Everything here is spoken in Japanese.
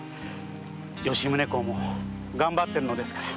吉宗公もがんばっているのですから。